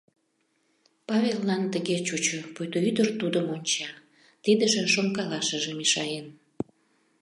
Павеллан тыге чучо, пуйто ӱдыр тудым онча, тидыже шонкалашыже мешаен.